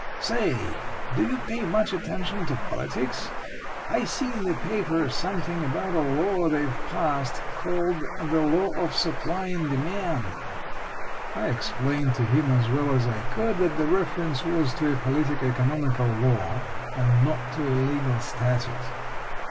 Say, do you pay much attention to politics? I see in the paper something about a law they've passed called 'the law of supply and demand.'" I explained to him as well as I could that the reference was to a politico economical law, and not to a legal statute.